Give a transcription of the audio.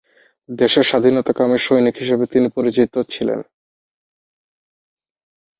দেশের স্বাধীনতাকামী সৈনিক হিসাবে তিনি পরিচিত ছিলেন।